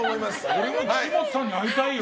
俺も岸本さんに会いたいよ。